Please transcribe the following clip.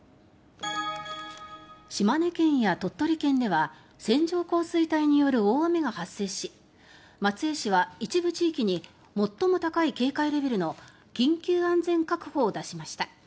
島根県や鳥取県では線状降水帯による大雨が発生し松江市は一部地域に最も高い警戒レベルの緊急安全確保を出しました。